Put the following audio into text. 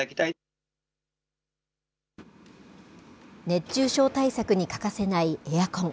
熱中症対策に欠かせないエアコン。